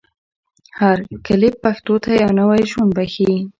هر کلیپ پښتو ته یو نوی ژوند بښي.